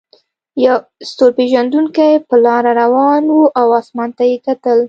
یو ستور پیژندونکی په لاره روان و او اسمان ته یې کتل.